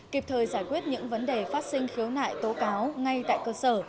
kịp thời giải quyết những vấn đề phát sinh khiếu nại tố cáo ngay tại cơ sở